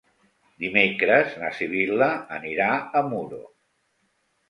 Dimecres na Sibil·la anirà a Muro.